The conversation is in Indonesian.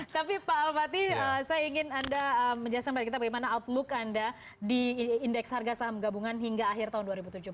tapi pak al fatih saya ingin anda menjelaskan pada kita bagaimana outlook anda di indeks harga saham gabungan hingga akhir tahun dua ribu tujuh belas